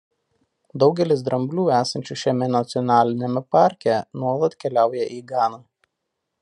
Daugelis dramblių esančių šiame nacionaliniame parke nuolat keliauja į Ganą.